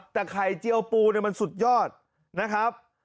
แต่ไข่เจียวปูมันสุดยอดนะครับ